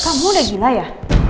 kamu udah gila ya